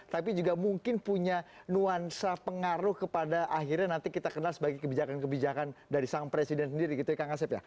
tapi juga mungkin punya nuansa pengaruh kepada akhirnya nanti kita kenal sebagai kebijakan kebijakan dari sang presiden sendiri gitu ya kak ngasep ya